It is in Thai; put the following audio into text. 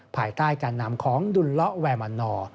ภายใต้การนำของดุลละแวนอร์